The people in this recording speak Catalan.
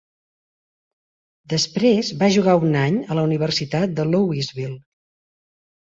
Després va jugar un any a la Universitat de Louisville.